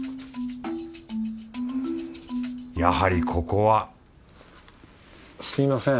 やはりここはすみません。